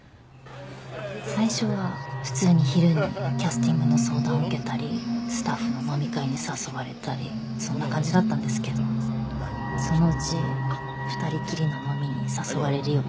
最初は普通に昼にキャスティングの相談を受けたりスタッフの飲み会に誘われたりそんな感じだったんですけどそのうち２人きりの飲みに誘われるようになって。